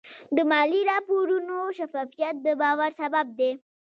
د مالي راپورونو شفافیت د باور سبب دی.